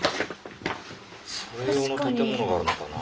それ用の建物があるのかな。